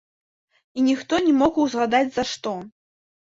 І ніхто не мог узгадаць, за што.